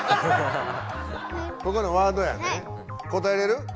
答えれる？